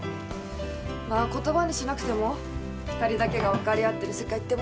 まあ言葉にしなくても２人だけがわかり合ってる世界ってもんがあるんでしょうね。